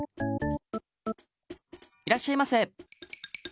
いらっしゃいませ。